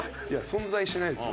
存在しないですよ。